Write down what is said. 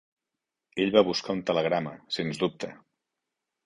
Ell va buscar un telegrama, sens dubte.